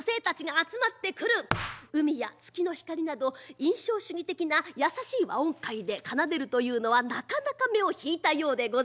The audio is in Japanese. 「海」や「月の光」など印象主義的な優しい和音階で奏でるというのはなかなか目を引いたようでございます。